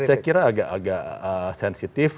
saya kira agak sensitif